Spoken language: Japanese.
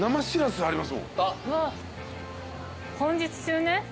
本日中ね。